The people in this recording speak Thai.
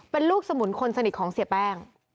เป็นลูกสมุนคนสนิทของเสียแป้ง